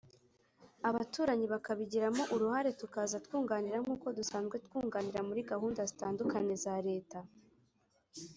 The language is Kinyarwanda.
abaturanyi bakabigiramo uruhare tukaza twunganira nkuko dusanzwe twunganira muri gahunda zitandukanye za Leta